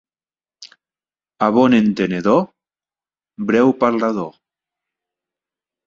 A bon entenedor, breu parlador.